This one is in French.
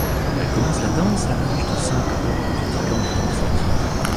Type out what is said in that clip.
Elle commence la danse à l'âge de cinq ans, en pratiquant les danses latines.